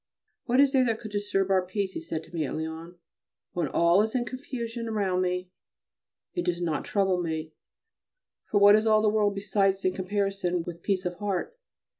"What is there that could disturb our peace?" he said to me at Lyons. "When all is in confusion around me it does not trouble me, for what is all the world besides in comparison with peace of heart?"